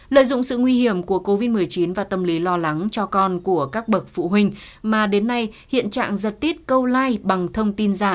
lợi dụng sự nguy hiểm của covid một mươi chín và tâm lý lo lắng cho con của các bậc phụ huynh mà đến nay hiện trạng giật tiết câu like bằng thông tin giả